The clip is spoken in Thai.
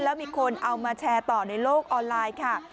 แล้วมีคนเอามาแชร์ต่อในโลกออนไลน์ค่ะ